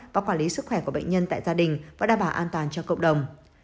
và quản lý sức khỏe của bệnh nhân tại gia đình và đảm bảo an toàn cho cộng đồng